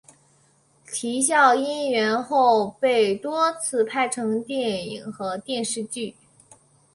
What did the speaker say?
啼笑因缘后被多次拍成电影和电视剧。